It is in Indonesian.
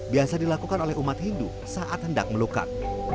biasa dilakukan oleh umat hindu saat hendak melukat